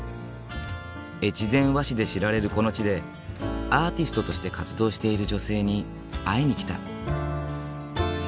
越前和紙で知られるこの地でアーティストとして活動している女性に会いに来た。